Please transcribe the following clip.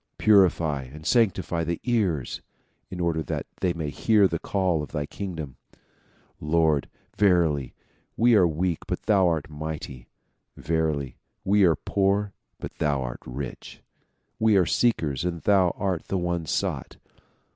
Purify and sanctify the ears in order that they may hear the call of thy kingdom. Lord! verily we are weak but thou art mighty. Verily we are poor but thou art rich. We are seekers and thou art the one sought.